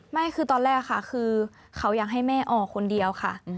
ไม่คือตอนแรกค่ะคือเขาอยากให้แม่ออกคนเดียวค่ะ